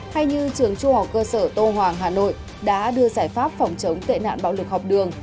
hay như trường trung học cơ sở tô hoàng hà nội đã đưa giải pháp phòng chống tệ nạn bạo lực học đường